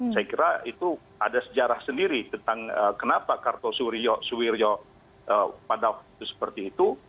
saya kira itu ada sejarah sendiri tentang kenapa karto suwirjo pada waktu itu seperti itu